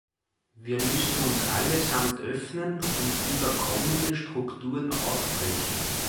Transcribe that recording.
Wir müssen uns allesamt öffnen und überkommene Strukturen aufbrechen.